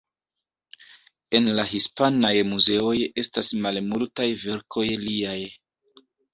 En la hispanaj muzeoj estas malmultaj verkoj liaj.